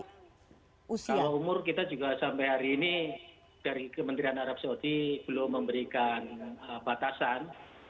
kalau umur kita juga sampai hari ini dari kementerian arab saudi belum memberikan batasan